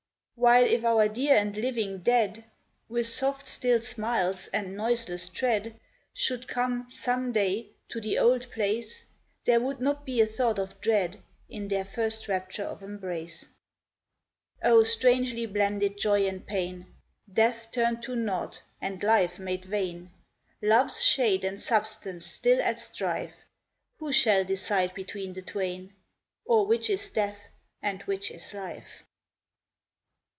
While if our dear and living dead, With soft, still smiles and noiseless tread, Should come, some day, to the old place, There would not be a thought of dread In their first rapture of embrace ! Oh, strangely blended joy and pain ! Death turned to naught, and life made vain, Love's shade and substance still at strife, Who shall decide between the twain, Or which is death, and which is life